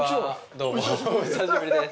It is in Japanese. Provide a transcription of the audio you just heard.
どうもお久しぶりです。